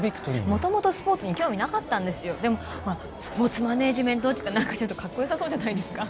元々スポーツに興味なかったんですよでもほらスポーツマネージメントっていったら何かちょっとカッコよさそうじゃないですか？